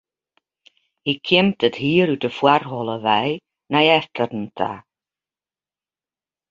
Hy kjimt it hier út de foarholle wei nei efteren ta.